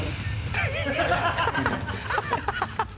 ハハハハ！